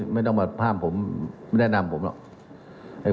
ไม่ต้องมาห้ามผมไม่แนะนำผมหรอก